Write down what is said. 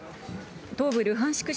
東部ルハンシク